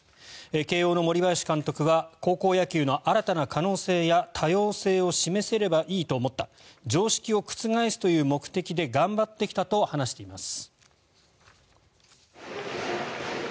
慶応の森林監督は高校野球の新たな可能性や多様性を示せればいいと思った常識を覆すという目的で頑張ってきたと話しています。